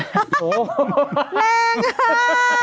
แม่งค่ะ